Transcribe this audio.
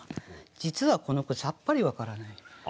実はこの句さっぱり分からない。